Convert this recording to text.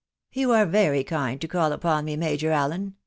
" You are very kind to call upon me, Major Allen.